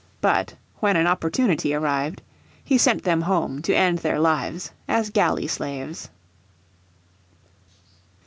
But, when an opportunity arrived, he sent them home to end their lives as galley slaves.